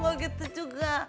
gak gitu juga